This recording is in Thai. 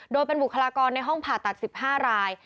โดยเป็นบุคลากรในห้องผ่าตัด๑๕ราย